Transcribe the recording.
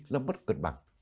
là mất cân bằng